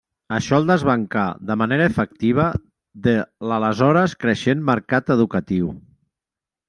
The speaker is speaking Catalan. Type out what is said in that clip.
Això el desbancà de manera efectiva de l'aleshores creixent mercat educatiu.